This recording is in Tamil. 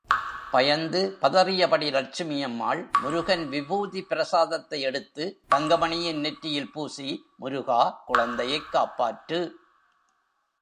பயந்து பதறியபடி லட்சுமி அம்மாள் முருகன் விபூதி பிரசாதத்தை எடுத்து தங்கமணியின் நெற்றியில் பூசி, முருகா குழந்தையைக் காப்பாற்று!